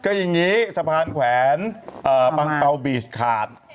ก็อย่างนี้สะพานแขวนปังเปล่าบีชขาด